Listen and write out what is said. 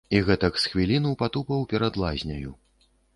І гэтак з хвіліну патупаў перад лазняю.